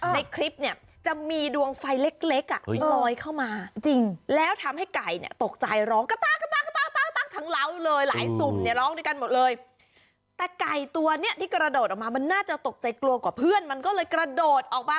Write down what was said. ในคลิปเนี่ยจะมีดวงไฟเล็กอ่ะลอยเข้ามาจริงแล้วทำให้ไก่เนี่ยตกใจร้องกระตั้ง